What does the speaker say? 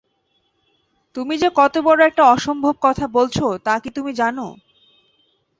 তুমি যে কত বড় একটা অসম্ভব কথা বলছ, তা কি তুমি জান?